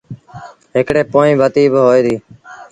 هڪڙي پوئيٚن بتيٚ با هوئي دي